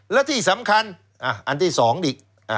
และที่สำคัญอันที่๒อีก